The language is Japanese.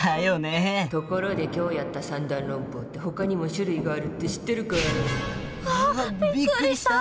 ・ところで今日やった三段論法ってほかにも種類があるって知ってるかい？わあびっくりした。